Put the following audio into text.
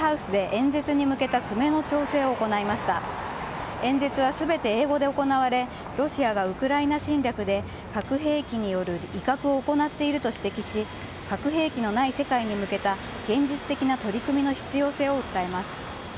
演説はすべて英語で行われ、ロシアがウクライナ侵略で核兵器による威嚇を行っていると指摘し、核兵器のない世界に向けた現実的な取り組みの必要性を訴えます。